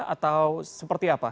atau seperti apa